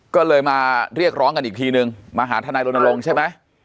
ก็เลยมาเรียกร้องกันอีกทีนึงมาหาทนายรณรงค์ใช่ไหม